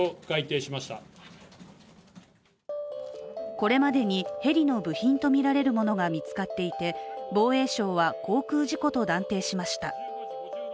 これまでに、ヘリの部品とみられるものが見つかっていて防衛省は、航空事故と断定しました。